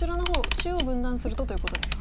中央分断するとということですか。